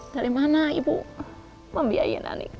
dari mana ibu membiayainya